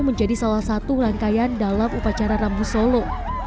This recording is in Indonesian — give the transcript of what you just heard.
menjadi salah satu rangkaian dalam upacara rambu solo